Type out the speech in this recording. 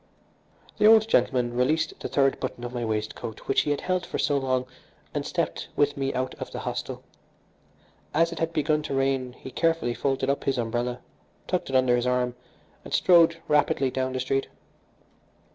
The old gentleman released the third button of my waistcoat which he had held for so long and stepped with me out of the hostel. As it had begun to rain he carefully folded up his umbrella, tucked it under his arm, and strode rapidly down the street.